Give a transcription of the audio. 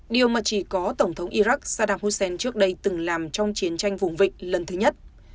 điều mà chỉ có tổng thống iraq saram hussen trước đây từng làm trong chiến tranh vùng vịnh lần thứ nhất